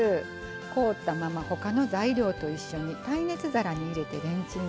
凍ったまま他の材料と一緒に耐熱皿に入れてレンチンするだけ。